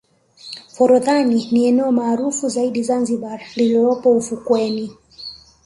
forodhani ni eneo maarufu zaidi zanzibar lililopo ufukweni